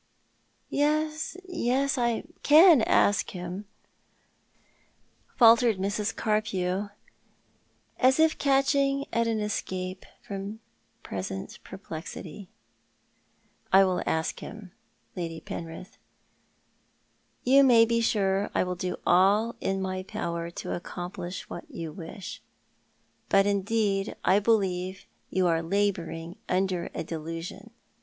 " Yes, yes, I can ask him," faltered Mrs. Carpew, as if catch ing at an escape from present perplexity. "I will ask him, Lady Penrith. You may be sure I will do all in my power to accomplish what you wish. Bat, indeed, I believe you are labouring under a delusion.